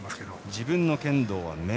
自分の剣道は面。